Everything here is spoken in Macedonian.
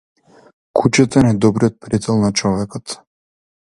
Кучето е најдобриот пријател на човекот.